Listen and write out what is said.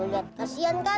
liat kasihan kan